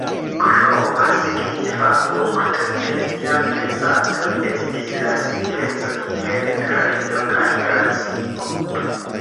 Kroma signifa punkto de lia pensado estis la sintezo inter kredo kaj racio.